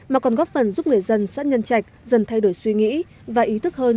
mà còn góp phần giúp người dân xã nhân trạch dần thay đổi suy nghĩ và ý thức hơn